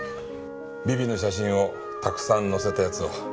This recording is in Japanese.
ビビの写真をたくさん載せたやつを。